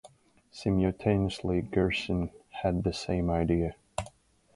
Simultaneously, Gersten had the same idea.